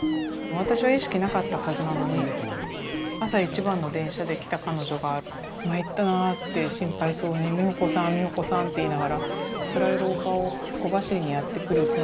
私は意識なかったはずなのに朝一番の電車で来た彼女が「参ったなあ」って心配そうに「美穂子さん美穂子さん」って言いながら暗い廊下を小走りにやって来る